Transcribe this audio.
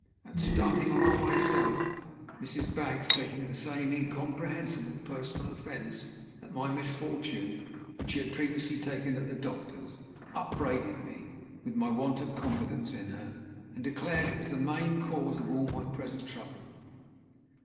At starting on our way south, Mrs. Baggs taking the same incomprehensible personal offense at my misfortune which she had previously taken at the doctor's upbraided me with my want of confidence in her, and declared that it was the main cause of all my present trouble.